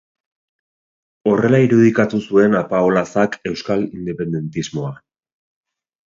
Horrela irudikatu zuen Apaolazak euskal independentismoa.